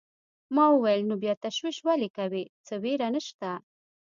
ما وویل: نو بیا تشویش ولې کوې، څه وېره نشته.